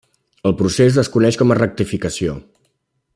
El procés es coneix com a rectificació.